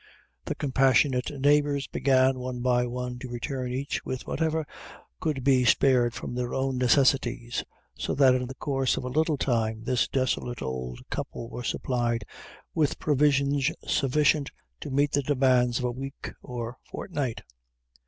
The compassionate neighbors began, one by one, to return each with whatever could be spared from their own necessities, so that in the course of a little time this desolate old couple were supplied with provisions sufficient to meet the demands of a week or fortnight.